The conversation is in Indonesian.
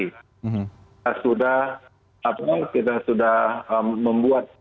kita sudah apa kita sudah membuat